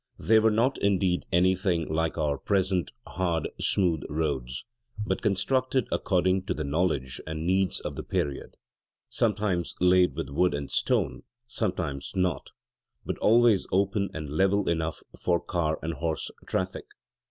They were not indeed anything like our present hard, smooth roads, but constructed according to the knowledge and needs of the period, sometimes laid with wood and stone, sometimes not, but always open and level enough for car and horse traffic.